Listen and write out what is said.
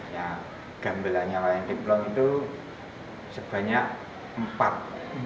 ya gambelannya wayang diplong itu sebanyak empat